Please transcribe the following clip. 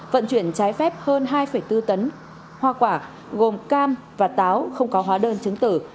vận chuyển trái phép hơn hai bốn tấn hoa quả gồm cam và táo không có hóa đơn chứng tử